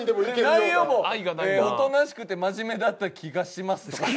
内容も「おとなしくて真面目だった気がします」とか。